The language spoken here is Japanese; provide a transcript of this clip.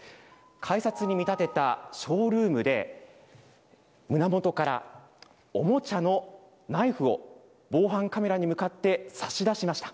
改札に見立てたショールームで胸元から、おもちゃのナイフを防犯カメラに向かって差し出しました。